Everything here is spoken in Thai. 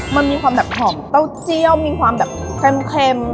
มันมีความแบบหอมเต้าเจี้ยวมีความแบบเค็ม